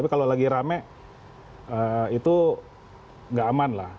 kalau lagi rame itu nggak aman lah